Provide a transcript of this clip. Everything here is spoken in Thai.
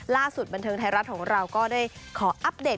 บันเทิงไทยรัฐของเราก็ได้ขออัปเดต